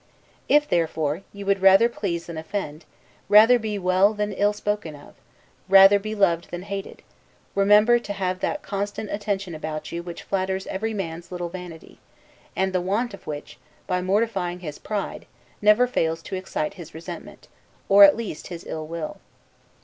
If, therefore, you would rather please than offend, rather be well than ill spoken of, rather be loved than hated; remember to have that constant attention about you which flatters every man's little vanity; and the want of which, by mortifying his pride, never fails to excite his resentment, or at least his ill will.